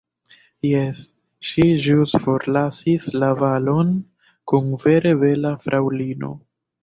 Jes, ŝi ĵus forlasis la balon kun vere bela fraŭlino.